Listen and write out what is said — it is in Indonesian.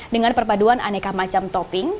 dengan perpaduan aneka macam topping